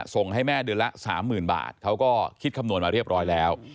ส่งให้แม่เดือนละ๓๐๐๐บาทเขาก็คิดคำนวณมาเรียบร้อยแล้ว